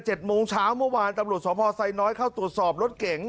โมงเช้าเมื่อวานตำรวจสพไซน้อยเข้าตรวจสอบรถเก๋ง